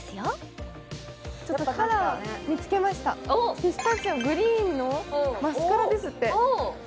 ピスタチオグリーンのマスカラですっておおっ！